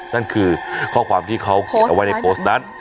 นั่นคือข้อความที่เขาเขียนเอาไว้ในโพสต์นั้น